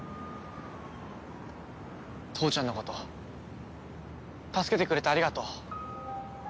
父ちゃんのこと助けてくれてありがとう。